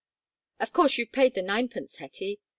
"Of course you've paid the ninepence, Hetty?"